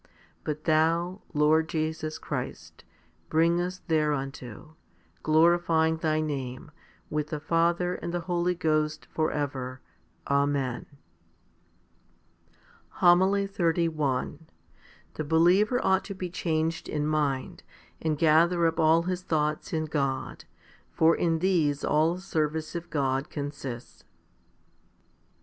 But Thou, Lord Jesus Christ, bring us thereunto, glorifying Thy name, with the Father and the Holy Ghost, for ever. Amen. 1 Luke vii. 44. z Rev. iii. 20. 3 Matt. xxv. 42, 43. HOMILY XXXI The believer ought to be changed in mind, and gather up all his thoughts in God; for in these all service of God consists.